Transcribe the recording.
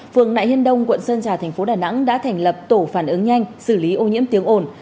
phường nại hiên đông quận sơn trà thành phố đà nẵng đã thành lập tổ phản ứng nhanh xử lý ô nhiễm tiếng ồn